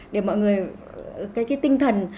để mọi người cái tinh thần